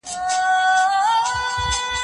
که علم په پښتو وي، نو پوهه به ځليږي.